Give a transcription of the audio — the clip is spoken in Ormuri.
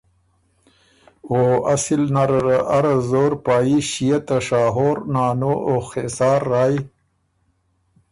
او اصل نره ره ارۀ زور پا يي ݭيې ته شاهور، نانو او خېسار رایٛ